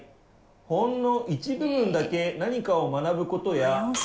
ほんの一部分だけ何かを学ぶ事や。